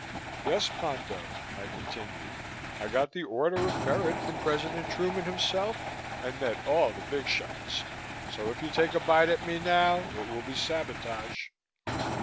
"Yes, Ponto," I continued. "I got the Order of Merit from President Truman himself and met all the big shots, so if you take a bite at me now it will be sabotage."